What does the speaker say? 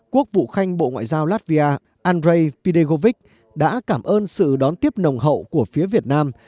quốc vụ khanh bộ ngoại giao latvia andrei pidegovic đã cảm ơn sự đón tiếp nồng hậu của phía việt nam